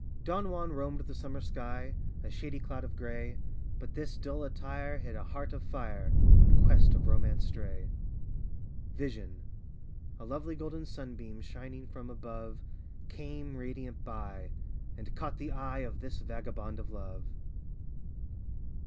Don Juan roamed the summer sky A shady cloud of gray But this dull attire Hid a heart of fire In quest of romance stray. Vision A lovely golden sunbeam Shining from above Came radiant by And caught the eye Of this vagabond of love.